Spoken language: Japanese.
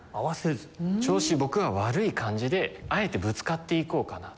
調子僕が悪い感じであえてぶつかっていこうかなと。